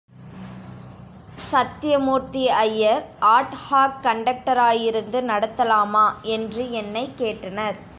Sathyamoorthy Iyer ad hoc கண்டக்டராயிருந்து நடத்தலாமா என்று என்னைக் கேட்டனர்.